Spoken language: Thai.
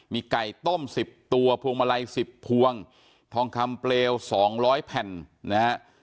มีไก่ต้ม๑๐ตัวพวงมาลัย๑๐พวงทองคำเปลว๒๐๐แผ่นนะฮะ